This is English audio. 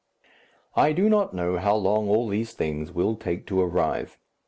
I do not know how long all these things will take to arrive.